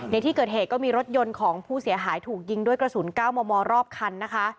ในที่เกิดเหตุก็มีรถยนต์ของผู้เสียหายถูกยิงด้วยกระสุน๙มมรอบคันนะคะ